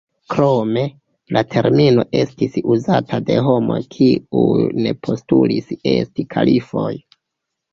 Krome, la termino estis uzata de homoj kiuj ne postulis esti kalifoj.